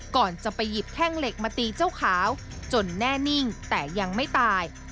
ก่อนจะไปหยิบแท่งเหล็กมาตีเจ้าขาวจนแน่นิ่งแต่ยังไม่ตาย